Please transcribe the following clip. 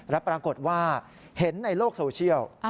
แล้วปรากฏว่าเห็นในโลกโซเชียล